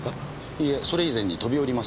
いいえそれ以前に飛び降りません。